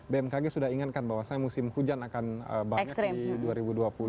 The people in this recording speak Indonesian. bmkg sudah ingatkan bahwa saya musim hujan akan banyak di dua ribu dua puluh